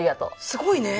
すごいね。